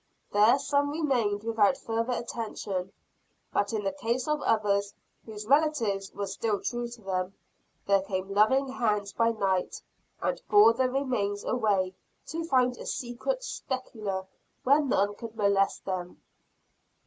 There some remained without further attention; but, in the case of others, whose relatives were still true to them, there came loving hands by night, and bore the remains away to find a secret sepulcher, where none could molest them.